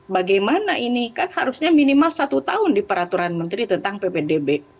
bagaimana ini kan harusnya minimal satu tahun di peraturan menteri tentang ppdb